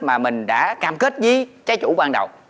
mà mình đã cam kết với trái chủ quan đầu